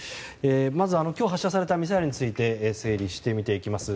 まず、今日発射されたミサイルについて整理して見ていきます。